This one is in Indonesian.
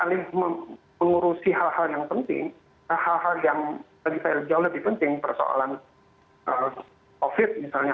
nah alih alih mengurusi hal hal yang penting hal hal yang lebih penting persoalan covid misalnya